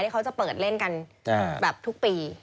เขาจะเปิดเล่นกันแบบทุกปี